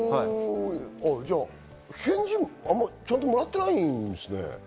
じゃあ返事もあまりちゃんともらってないんですかね？